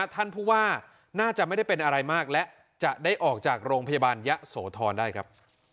ท่านผู้ว่าน่าจะไม่ได้เป็นอะไรมากและจะได้ออกจากโรงพยาบาลยะโสธรได้ครับ